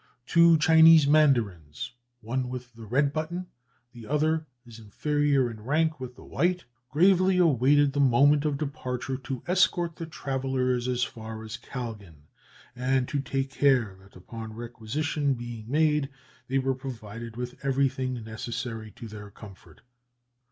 Two Chinese mandarins one with the red button; the other, his inferior in rank, with the white gravely awaited the moment of departure to escort the travellers as far as Kalgan, and to take care that, upon requisition being made, they were provided with everything necessary to their comfort.